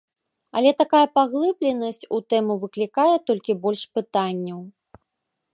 Але такая паглыбленасць у тэму выклікае толькі больш пытанняў.